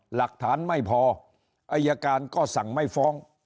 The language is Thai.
หลักฐานไม่พออายการก็สั่งไม่ฟ้อง